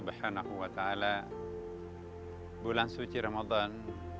bulan suci ramadan